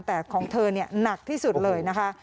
แต่ของเธอหนักที่สุดเลยนะคะ